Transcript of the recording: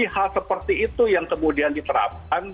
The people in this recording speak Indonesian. hal seperti itu yang kemudian diterapkan